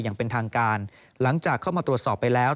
อย่างเป็นทางการหลังจากเข้ามาตรวจสอบไปแล้ว